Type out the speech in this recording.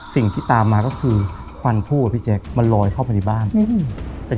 สิ่งที่ตามมาก็คือควันทู่อพี่แจ๊คมันลอยเข้าไปในบ้านอืมแต่